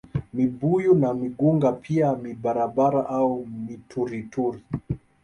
Mibuyu na migunga pia mibabara au miturituri